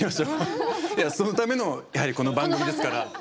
そのためのやはりこの番組ですから。